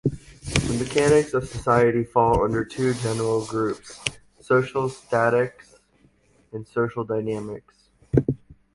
The mechanics of society fall under two general groups: social statics and social dynamics.